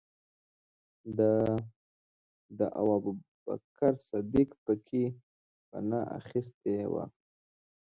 ده او ابوبکر صدیق پکې پنا اخستې وه.